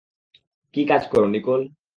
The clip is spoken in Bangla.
কী কাজ করো, নিকোল?